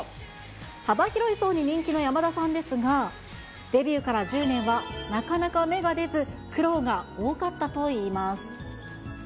幅広い層に人気の山田さんですが、デビューから１０年は、なかなか芽が出ず、苦労が多かったといいます。